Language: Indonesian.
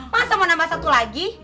masa mau nambah satu lagi